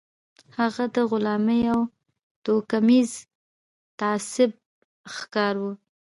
هغه د غلامۍ او توکميز تعصب ښکار و